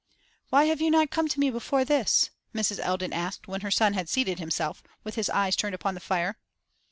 'Why have you not come to me before this?' Mrs. Eldon asked when her son had seated himself, with his eyes turned upon the fire.